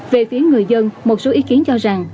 về phía người dân một số ý kiến cho rằng